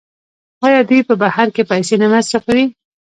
آیا دوی په بهر کې پیسې نه مصرفوي؟